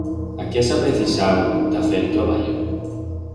A quí has aprecisau ta fer el troballo?